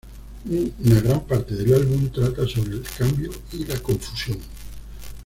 Una gran parte del álbum trata sobre el cambio y la confusión".